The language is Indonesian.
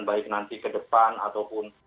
baik nanti ke depan ataupun